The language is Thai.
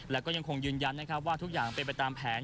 แล้วก็ยังคงยืนยันนะครับว่าทุกอย่างเป็นไปตามแผน